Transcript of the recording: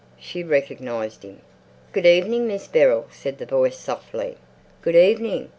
She recognized him. "Good evening, Miss Beryl," said the voice softly. "Good evening."